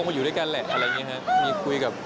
คงมาอยู่ด้วยกันแหละอะไรแบบนี้ครับ